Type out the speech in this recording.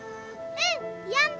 うん。